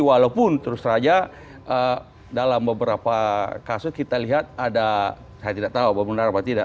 walaupun terus teraja dalam beberapa kasus kita lihat ada saya tidak tahu benar apa tidak